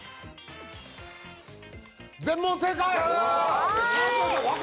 全問正解。